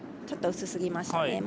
ちょっと薄すぎましたね。